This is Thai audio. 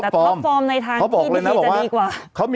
ท้อปฟอร์ม